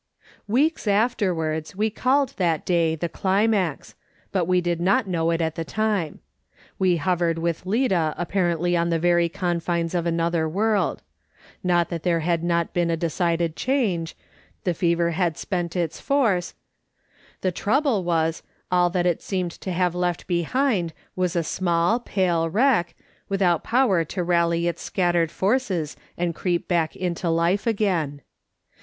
Weeks afterwards we called that day the climax ; but we did not know it at the time. We hovered with Lida apparently on the very confines of another world. Not that there had not been a decided change ; the fever had spent its force ; the trouble was, all that it seemed to have left behind was a small pale wreck, without power to rally its scat tered forces and creep back into life again.